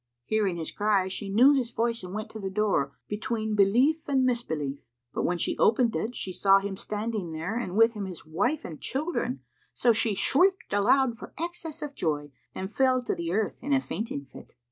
Hearing his cry she knew his voice and went to the door, between belief and misbelief; but, when she opened it she saw him standing there and with him his wife and children; so she shrieked aloud, for excess of joy, and fell to the earth in a fainting fit.